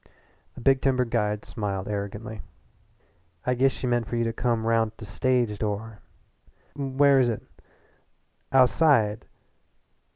The big timber guide smiled arrogantly. "I giss she meant for you to come roun' t' the stage door." "Where where is it?" "Ou'side.